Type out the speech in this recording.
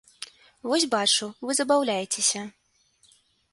Вось бачу, вы забаўляецеся.